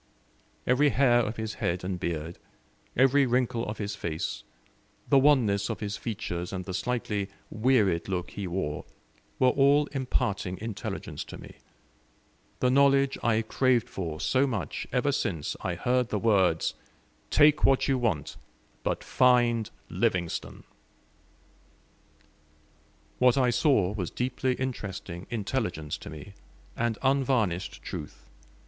Every hair of his head and beard, every wrinkle of his face, the wanness of his features, and the slightly wearied look he wore, were all imparting intelligence to me the knowledge I craved for so much ever since I heard the words, "Take what you want, but find Livingstone." What I saw was deeply interesting intelligence to me, and unvarnished truth.